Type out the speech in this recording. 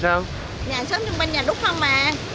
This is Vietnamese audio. nhà hàng xóm xung quanh nhà đúc không à